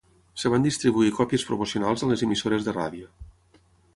Es van distribuir còpies promocionals a les emissores de ràdio.